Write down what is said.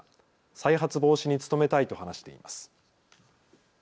再発防止に努めたいと話しています。